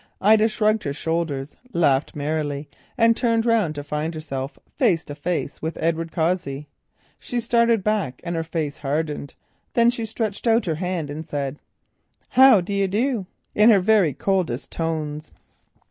Ida shrugged her shoulders, laughed merrily, and turned round to find herself face to face with Edward Cossey. She started back, and her expression hardened—then she stretched out her hand and said, "How do you do?" in her very coldest tones.